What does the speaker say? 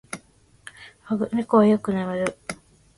猫はよく眠る。